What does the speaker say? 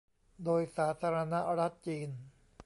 โดยสาธารณรัฐจีน